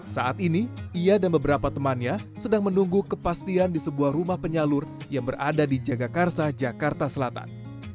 saat ini ia dan beberapa temannya sedang menunggu kepastian di sebuah rumah penyalur yang berada di jagakarsa jakarta selatan